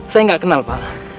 saya gak kenal pak